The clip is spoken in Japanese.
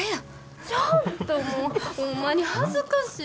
ちょっともうホンマに恥ずかしい。